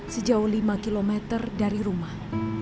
sejauh lima km dari rumah